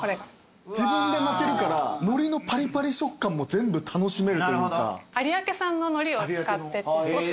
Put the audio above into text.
自分で巻けるから海苔のパリパリ食感も全部楽しめるというか。